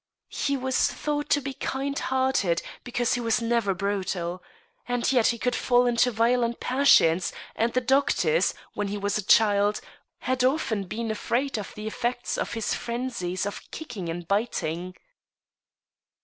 39 He was thought to be kind hearted, because he was never brutal And yet he could fall into violent passions, and the doctors, when he was a child, had often been afraid of the effects of his frenzies of kicking and biting.